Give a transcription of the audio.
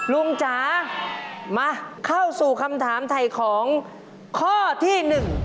จ๋ามาเข้าสู่คำถามถ่ายของข้อที่หนึ่ง